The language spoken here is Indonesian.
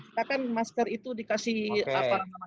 silakan masker itu dikasih nomor